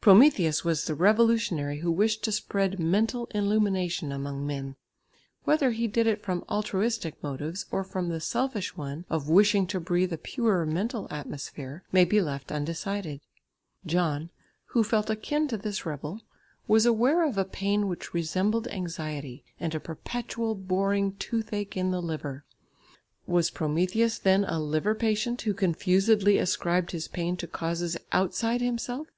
Prometheus was the revolutionary who wished to spread mental illumination among men. Whether he did it from altruistic motives, or from the selfish one of wishing to breathe a purer mental atmosphere, may be left undecided. John, who felt akin to this rebel, was aware of a pain which resembled anxiety, and a perpetual boring "toothache in the liver." Was Prometheus then a liver patient who confusedly ascribed his pain to causes outside himself?